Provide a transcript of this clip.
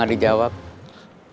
kin update kalau lain smartphone